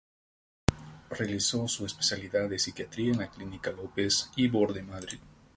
Realizó su especialidad de Psiquiatría en la Clínica López Ibor de Madrid.